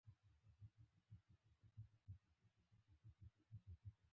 دا کار په راتلونکې کې ډېر تولید ته لار هواروله.